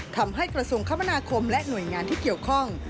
กระทรวงคมนาคมและหน่วยงานที่เกี่ยวข้อง